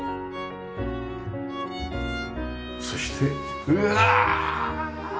そしてうわあ！